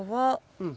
うん。